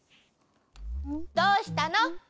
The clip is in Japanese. どうしたの？